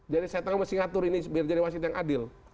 jadi saya tengah harus ngatur ini biar jadi wasit yang adil